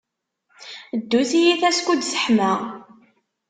Ddu tiyita skud teḥma.